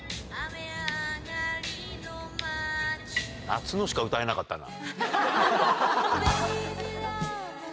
「夏の」しか歌えなかったな。